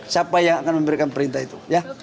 siapa yang akan memberikan perintah itu ya